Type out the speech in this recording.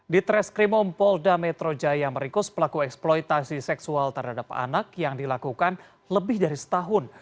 di treskrimum polda metro jaya merikus pelaku eksploitasi seksual terhadap anak yang dilakukan lebih dari setahun